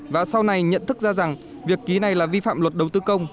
và sau này nhận thức ra rằng việc ký này là vi phạm luật đầu tư công